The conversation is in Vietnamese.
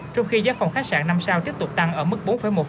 trong khi giá phòng khách sạn năm sao tiếp tục tăng ở mức bốn một